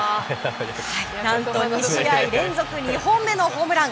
何と、２試合連続２本目のホームラン。